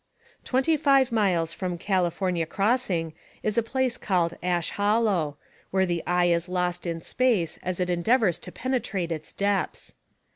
Twenty five miles from California Crossing is a place called Ash Hollow, where the eye is lost in space as it endeavors to penetrate its depths.